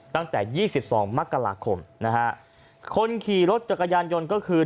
ตั้งแต่ยี่สิบสองมกราคมนะฮะคนขี่รถจักรยานยนต์ก็คือ